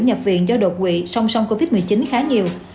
nhập viện do đột quỵ song song covid một mươi chín khá nhiều